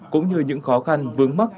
cũng như những khó khăn vướng mắc